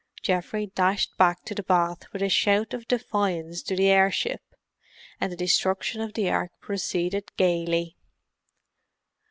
Geoffrey dashed back to the bath with a shout of defiance to the airship, and the destruction of the Ark proceeded gaily.